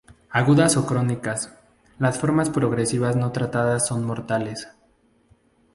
Agudas o crónicas, las formas progresivas no tratadas son mortales.